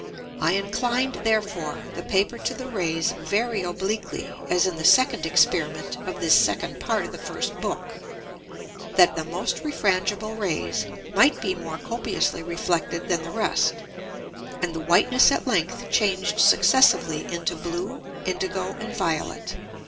I inclined therefore the Paper to the Rays very obliquely, as in the second Experiment of this second Part of the first Book, that the most refrangible Rays, might be more copiously reflected than the rest, and the Whiteness at Length changed successively into blue, indigo, and violet.